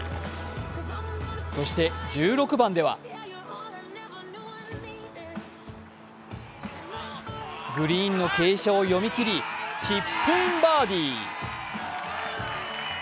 そして１６番ではグリーンの傾斜を読み切りチップインバーディー。